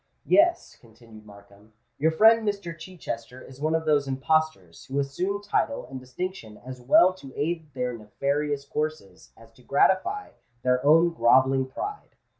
"Yes," continued Markham, "your friend Mr. Chichester is one of those impostors who assume title and distinction as well to aid their nefarious courses as to gratify their own grovelling pride.